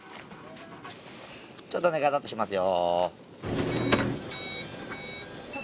ちょっとガタッとしますよ。